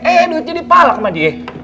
eh duit jadi palak mak